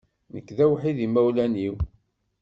Nekk d awḥid n imawlan-iw.